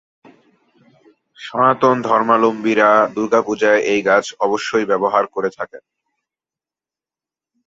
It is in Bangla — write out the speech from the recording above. সনাতন ধর্মাবলম্বীরা দুর্গাপূজায় এই গাছ অবশ্যই ব্যবহার করে থাকেন।